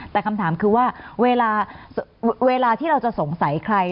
แต่คำถามคือว่าเวลาที่เราจะสงสัยใคร